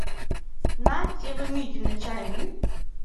На, теве мӱй дене чайым йӱ.